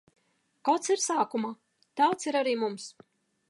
Kods ir sākumā! Tāds ir arī mums.